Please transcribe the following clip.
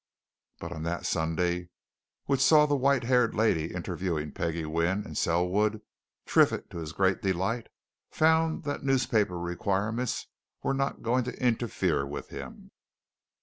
But on that Sunday which saw the white haired lady interviewing Peggie Wynne and Selwood, Triffitt, to his great delight, found that newspaper requirements were not going to interfere with him.